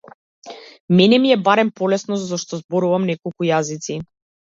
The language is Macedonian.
Мене ми е барем полесно зашто зборувам неколку јазици.